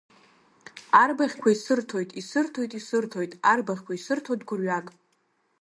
Арбаӷьқәа исырҭоит, исырҭоит, исырҭоит, Арбаӷьқәа исырҭоит гәырҩак…